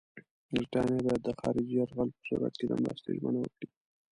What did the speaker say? برټانیه باید د خارجي یرغل په صورت کې د مرستې ژمنه وکړي.